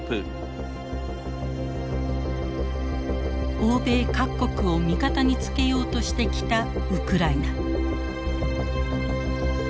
欧米各国を味方につけようとしてきたウクライナ。